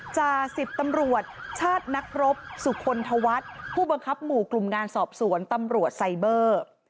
จ่าสิบตำรวจชาตินักรบสุคลธวัฒน์ผู้บังคับหมู่กลุ่มงานสอบสวนตำรวจไซเบอร์